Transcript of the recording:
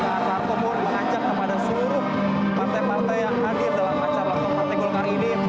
kepala komun mengajak kepada seluruh partai partai yang hadir dalam acara komunikasi golkar ini